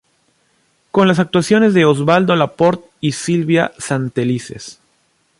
Con las actuaciones de Osvaldo Laport y Silvia Santelices.